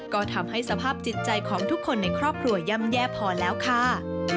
ก็ทำให้สภาพจิตใจของทุกคนในครอบครัวย่ำแย่พอแล้วค่ะ